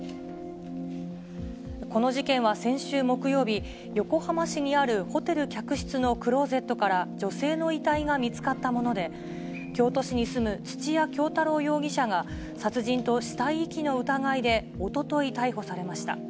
この事件は先週木曜日、横浜市にあるホテル客室のクローゼットから女性の遺体が見つかったもので、京都市に住む土屋京多郎容疑者が殺人と死体遺棄の疑いでおととい逮捕されました。